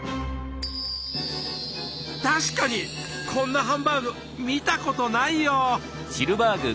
確かにこんなハンバーグ見たことないよ。